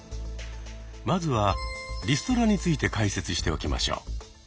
まずはリストラについて解説しておきましょう。